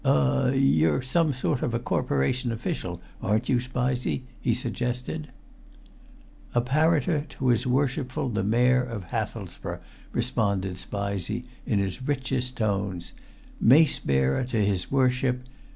"Er you're some sort of a Corporation official, aren't you, Spizey?" he suggested. "Apparitor to his Worshipful the Mayor of Hathelsborough," responded Spizey in his richest tones. "Mace bearer to his Worship.